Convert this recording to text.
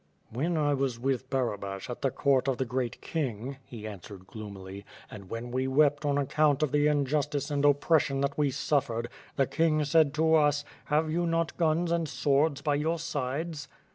"When I was with Barabash at the coui^ of the great king," he answered gloomily, "and when we wept on account of the injustice and opjiression that we suffered, the king said to us: 'Have you not guns and swords by your sides?'